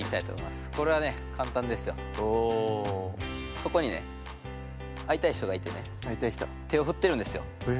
そこにね会いたい人がいてね手をふってるんですよ。